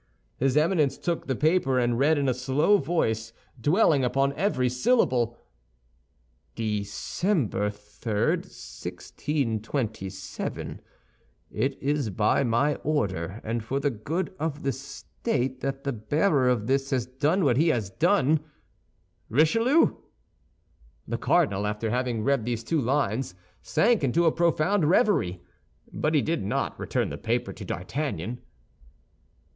His Eminence took the paper, and read in a slow voice, dwelling upon every syllable: "Dec. 3, 1627 "It is by my order and for the good of the state that the bearer of this has done what he has done. "RICHELIEU" The cardinal, after having read these two lines, sank into a profound reverie; but he did not return the paper to D'Artagnan.